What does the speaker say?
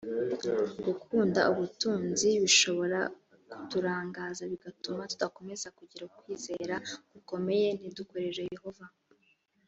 gukunda ubutunzi bishobora kuturangaza bigatuma tudakomeza kugira ukwizera gukomeye ntidukorere yehova